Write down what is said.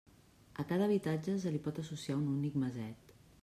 A cada habitatge se li pot associar un únic Maset.